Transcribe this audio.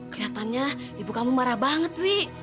kelihatannya ibu kamu marah banget wi